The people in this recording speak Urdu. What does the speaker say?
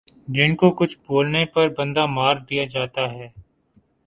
جن کو کچھ بولنے پر بندہ مار دیا جاتا ھے